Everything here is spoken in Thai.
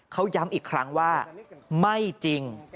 เขาย้ำอีกครั้งว่าไม่จริง